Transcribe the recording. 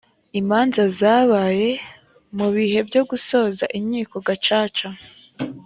imanza zabaye mu bihe byo gusoza inkiko gacaca